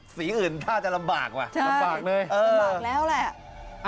สีอื่นท่าจะลำบากว่ะลำบากเลยลำบากแล้วแหละ